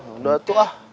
udah tuh ah